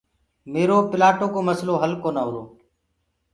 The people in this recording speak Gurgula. ميرو پِلآٽو ڪو مسلو هل ڪونآ هُرو۔